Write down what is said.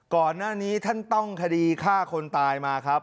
ก่อนหน้านี้ท่านต้องคดีฆ่าคนตายมาครับ